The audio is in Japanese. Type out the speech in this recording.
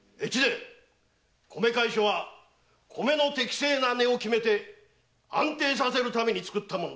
米会所は米の適正な値を決め安定させるため作ったもの。